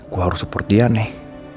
gue harus support dia nih